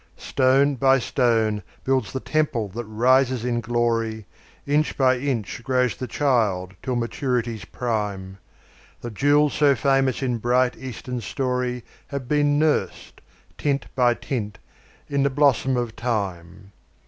Stone by stone builds the temple that rises in glory, Inch by inch grows the child till maturity's prime; The jewels so famous in bright, Eastern story Have been nursed, tint by tint, in the blossom of Time.